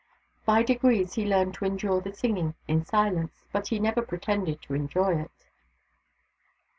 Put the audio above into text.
By degrees he learned to endure the singing in silence, but he never pretended to enjoy it.